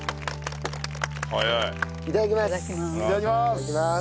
いただきます。